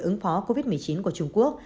ứng phó covid một mươi chín của trung quốc